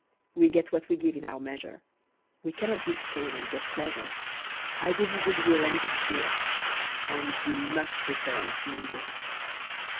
We get what we give in our measure, We cannot give pain and get pleasure; I give you good will and good cheer, And you must return it, New Year.